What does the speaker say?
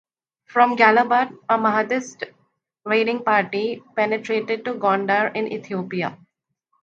From Gallabat, a Mahdist raiding party penetrated to Gondar in Ethiopia.